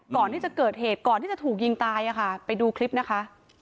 ก่อนที่จะเกิดเหตุก่อนที่จะถูกยิงตายอะค่ะไปดูคลิปนะคะ